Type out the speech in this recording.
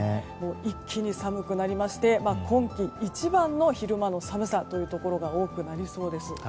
一気に寒くなりまして今季一番の昼間の寒さというところが多くなりそうです。